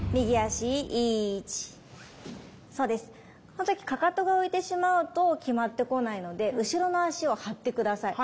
この時かかとが浮いてしまうと極まってこないので後ろの足を張って下さい。